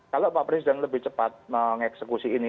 kalau pak presiden lebih cepat mengeksekusi ini